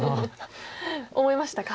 思いましたか。